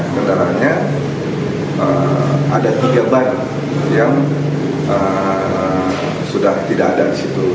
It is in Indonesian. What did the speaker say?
kendaraannya ada tiga ban yang sudah tidak ada di situ